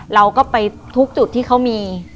เราก็ไปทุกจุดที่เขามี